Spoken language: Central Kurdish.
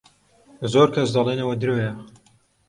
زۆر کەس دەڵێن ئەوە درۆیە.